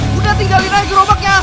sudah tinggalin aja gerobaknya